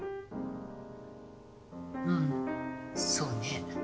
うんそうね。